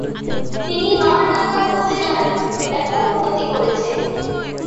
তিনি নলডাঙ্গা উপজেলার ব্যাপক উন্নতি করেছে